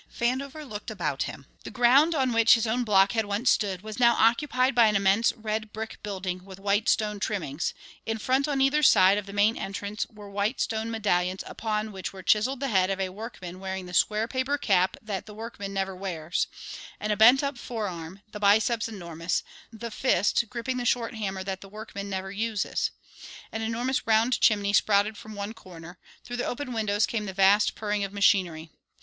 Vandover looked about him. The ground on which his own block had once stood was now occupied by an immense red brick building with white stone trimmings; in front on either side of the main entrance were white stone medallions upon which were chiselled the head of a workman wearing the square paper cap that the workman never wears, and a bent up forearm, the biceps enormous, the fist gripping the short hammer that the workman never uses. An enormous round chimney sprouted from one corner; through the open windows came the vast purring of machinery.